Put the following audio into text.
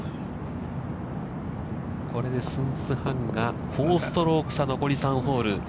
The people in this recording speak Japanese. これでスンス・ハンが４ストローク差、残り３ホール。